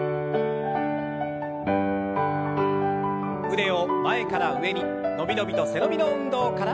腕を前から上に伸び伸びと背伸びの運動から。